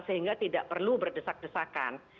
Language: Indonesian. sehingga tidak perlu berdesak desakan